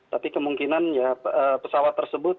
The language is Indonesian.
tapi kemungkinan ya pesawat tersebut